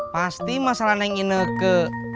pasti masalahnya ini enege